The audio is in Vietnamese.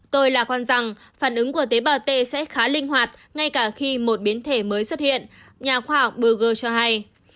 tôi là con rằng phản ứng của tế bào t sẽ khá linh hoạt ngay cả khi một biến thể mới xuất hiện nhà khoa học brugger cho hay